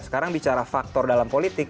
sekarang bicara faktor dalam politik